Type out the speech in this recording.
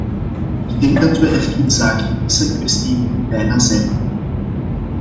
Ik denk dat we er inzake deze kwestie bijna zijn.